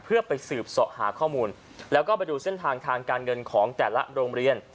เพื่อไปสืบเสาะหาข้อมูลแล้วก็ไปดูเส้นทางทางการเงินของแต่ละโรงเรียน